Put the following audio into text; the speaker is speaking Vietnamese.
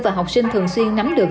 và học sinh thường xuyên nắm được